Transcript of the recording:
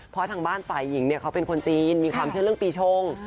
เพราะทางบ้านฝ่ายหญิงเนี่ยเขาเป็นคนจีนมีความเชื่อเรื่องปีชง